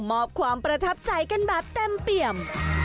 มอบความประทับใจกันแบบเต็มเปี่ยม